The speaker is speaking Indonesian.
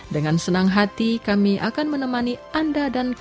dengan senang hati kami akan menemani anda dan keluarga